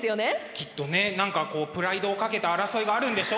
きっとね何かプライドを懸けた争いがあるんでしょ？